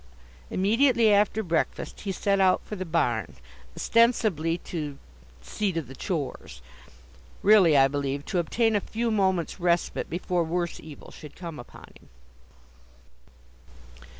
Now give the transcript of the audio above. Immediately after breakfast, he set out for the barn, ostensibly to "see to the chores;" really, I believe, to obtain a few moments' respite, before worse evil should come upon him.